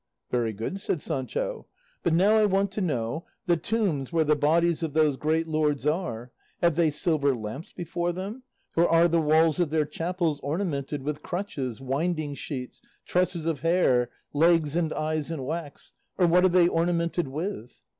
"Very good," said Sancho; "but now I want to know the tombs where the bodies of those great lords are, have they silver lamps before them, or are the walls of their chapels ornamented with crutches, winding sheets, tresses of hair, legs and eyes in wax? Or what are they ornamented with?"